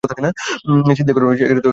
চিন্তা করো না, প্লিজ।